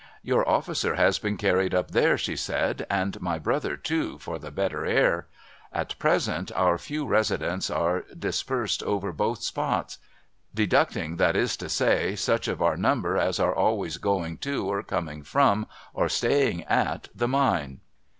'Your officer has been carried up there,' she said, 'and my brother, too, for the better air. At present, our few residents are disjjersed over both spots : deducting, that is to say, such of our number as are always going to, or coming from, or staying at, tlic Mine.'